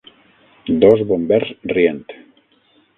dos bombers rient